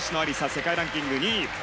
世界ランキング２位。